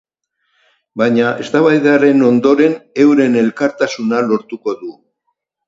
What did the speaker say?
Baina, eztabaidaren ondoren, euren elkartasuna lortuko du.